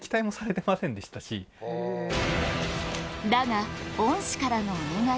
だが恩師からのお願い